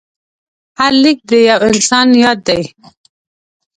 هر لیک د یو انسان یاد دی.